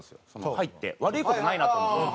入って悪い事ないなと思って。